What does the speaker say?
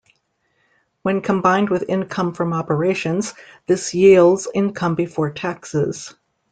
When combined with income from operations, this yields income before taxes.